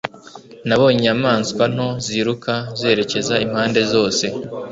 Nabonye inyamaswa nto ziruka zerekeza impande zose